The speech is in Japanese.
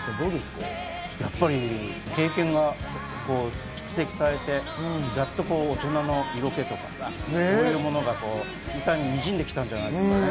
やった経験が蓄積されて、やっと大人の色気とかさ、そういうものが歌ににじんできたんじゃないですかね。